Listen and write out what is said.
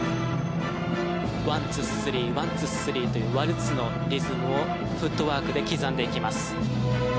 ワンツースリーワンツースリーというワルツのリズムをフットワークで刻んでいきます。